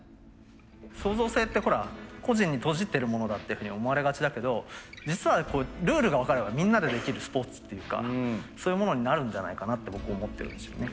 創造性ってほら個人に閉じてるものだっていうふうに思われがちだけど実はルールが分かればみんなでできるスポーツっていうかそういうものになるんじゃないかなって僕思ってるんですよね。